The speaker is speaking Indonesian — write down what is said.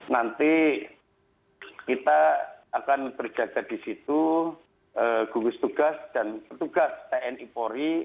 nanti kita akan berjaga di situ gugus tugas dan petugas tni polri